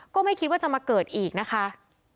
ก็ไม่คิดว่าจะมาเกิดอีกนะคะ